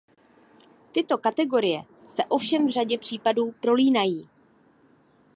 Tyto kategorie se ovšem v řadě případů prolínají.